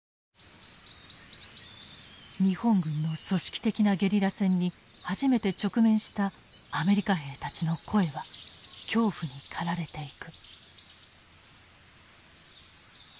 日本軍の組織的なゲリラ戦に初めて直面したアメリカ兵たちの声は恐怖に駆られていく。